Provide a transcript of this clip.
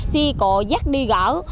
xì cổ dắt đi gỡ